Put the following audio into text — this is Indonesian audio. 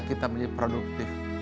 kita menjadi produktif